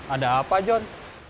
ada apa john